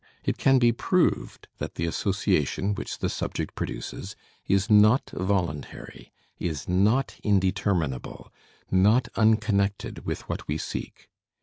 It can be proved that the association, which the subject produces, is not voluntary, is not indeterminable, not unconnected with what we seek.